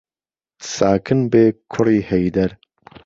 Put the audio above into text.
ساکن بێ کوڕی ههيدەر